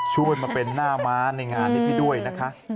ช่วยมาเป็นหน้าม้าในงานนี้พี่ด้วยนะคะ